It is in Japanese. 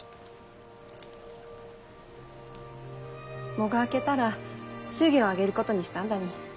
喪が明けたら祝言を挙げることにしたんだに。